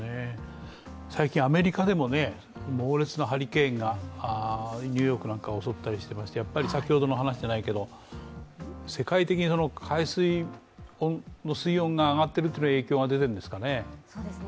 最近、アメリカでも猛烈なハリケーンがニューヨークなんかを襲ったりしてますが世界的に海水の水温が上がっている影響が出ているんですかね？